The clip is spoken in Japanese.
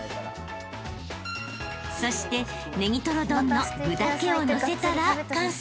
［そしてネギトロ丼の具だけを載せたら完成］